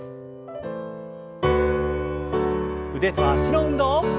腕と脚の運動。